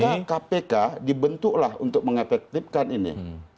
karena kpk dibentuklah untuk mengefektifkan ini